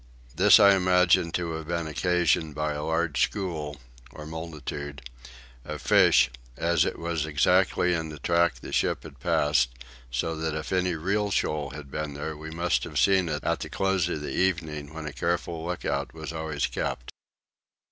This I imagine to have been occasioned by a large school (or multitude) of fish as it was exactly in the track the ship had passed, so that if any real shoal had been there we must have seen it at the close of the evening when a careful lookout was always kept.